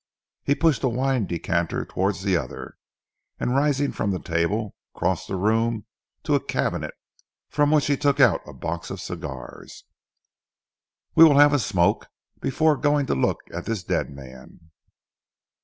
He pushed a wine decanter towards the other, and rising from the table crossed the room to a cabinet, from which he took out a box of cigars. "We will have a smoke, before going to look at this dead man."